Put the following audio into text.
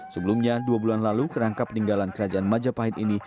sebelumnya dua bulan lalu kerangka peninggalan kerajaan majapahit ini